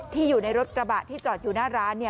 อยู่ในรถกระบะที่จอดอยู่หน้าร้าน